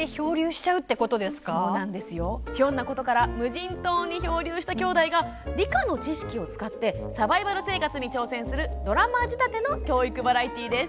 ひょんなことから無人島に漂流したきょうだいが理科の知識を使ってサバイバル生活に挑戦するドラマ仕立ての教育バラエティーです。